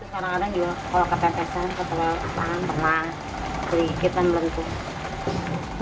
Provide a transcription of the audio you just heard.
kadang kadang juga kalau ketentesan ketelan tenang terigik dan melepuh